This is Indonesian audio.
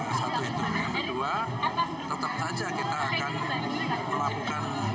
yang kedua tetap saja kita akan melakukan